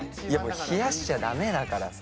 冷やしちゃダメだからさ。